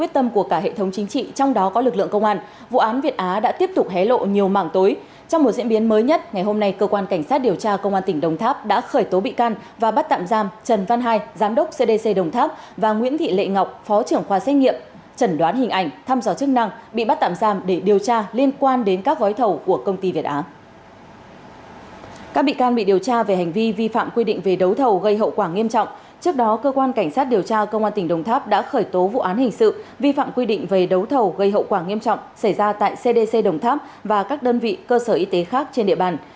trước đó cơ quan cảnh sát điều tra công an tỉnh đồng tháp đã khởi tố vụ án hình sự vi phạm quy định về đấu thầu gây hậu quả nghiêm trọng xảy ra tại cdc đồng tháp và các đơn vị cơ sở y tế khác trên địa bàn